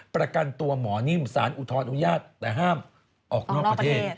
ประกันตัวหมอนิ่มสารอุทธรอนุญาตแต่ห้ามออกนอกประเทศ